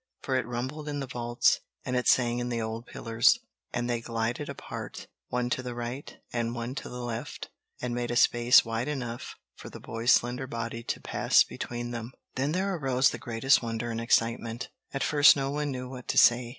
For it rumbled in the vaults, and it sang in the old pillars, and they glided apart—one to the right, and one to the left—and made a space wide enough for the boy's slender body to pass between them! Then there arose the greatest wonder and excitement! At first no one knew what to say.